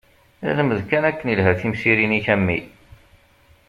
Lmed akken ilha timsirin-ik a mmi!